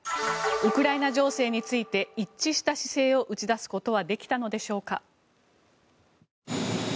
ウクライナ情勢について一致した姿勢を打ち出すことはできたのでしょうか。